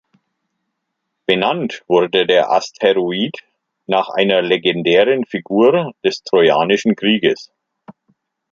Benannt wurde der Asteroid nach einer legendären Figur des trojanischen Krieges.